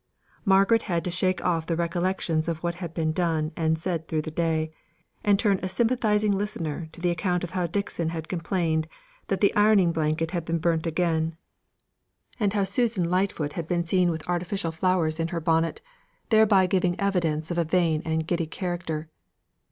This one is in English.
Margaret had to shake off the recollections of what had been done and said through the day, and turn a sympathising listener to the account of how Dixon had complained that the ironing blanket had been burnt again; and how Susan Lightfoot had been seen with artificial flowers in her bonnet, thereby giving evidence of a vain and giddy character.